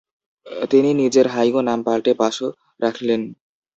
তিনি নিজের হাইগো নাম পাল্টে বাসো রাখলেন।